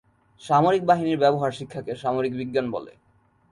সামরিক বাহিনীর ব্যবহার শিক্ষাকে সামরিক বিজ্ঞান বলে।